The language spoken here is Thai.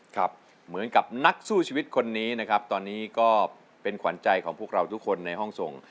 ครับเหมือนกับนักสู้ชีวิตคนนี้นะครับตอนนี้ก็เป็นขวัญใจของพวกเราทุกคนในห้องส่ง